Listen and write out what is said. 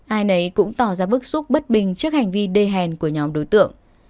ai nấy cũng tỏ ra bức xúc bất bình trước hành vi đê hẹn của nhóm đối tượng